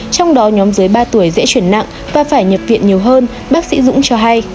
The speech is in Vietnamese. trong đó nhóm dưới ba tuổi dễ chuyển nặng và phải nhập viện nhiều hơn bác sĩ dũng cho hay